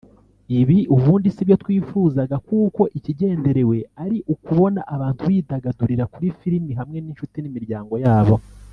Ibi ubundi sibyo twifuzaga kuko ikigenderewe ari ukubona abantu bidagadurira kuri filimi hamwe n’incuti n’imiryango yabo